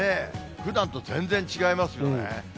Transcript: ふだんと全然違いますよね。